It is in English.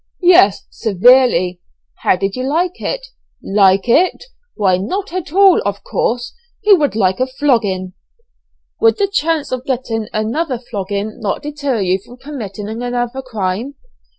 "Yes, severely." "How did you like it?" "Like it! why not at all, of course; who would like a flogging?" "Would the chance of getting another flogging not deter you from committing another crime?"